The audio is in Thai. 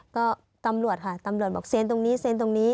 ก็ตำรวจค่ะตำรวจบอกเซ็นตรงนี้เซ็นตรงนี้